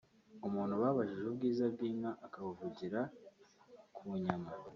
Umuntu babajije ubwiza bw’inka akabuvugira ku nyama